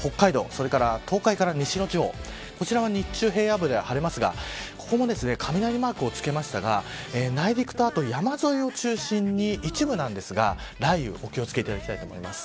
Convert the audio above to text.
それから東海から西の地方こちらは日中、平野部で晴れますがこちらも雷マークつけましたが内陸と山沿いを中心に一部ですが雷雨、お気を付けいただきたいと思います。